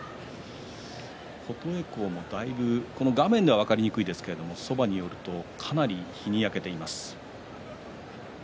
琴恵光もだいぶ、画面では分かりにくいんですがそばによるとかなり日に焼けています。